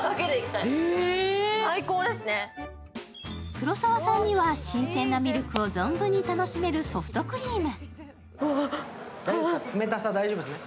黒沢さんには新鮮なミルクを存分に楽しめるソフトクリーム。